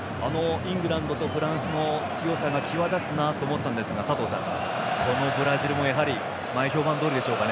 イングランドとフランスの器用さが際立つなと思ったんですが佐藤さん、このブラジルもやはり、前評判どおりでしょうか。